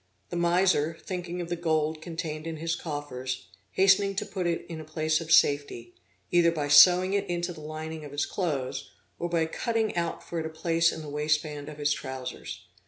The miser, thinking of the gold contained in his coffers, hastening to put it in a place of safety, either by sewing it into the lining of his clothes, or by cutting out for it a place in the waistband of his trowsers.